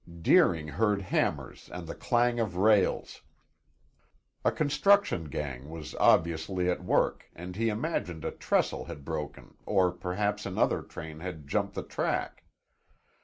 Deering heard hammers and the clang of rails. A construction gang was obviously at work and he imagined a trestle had broken or perhaps another train had jumped the track.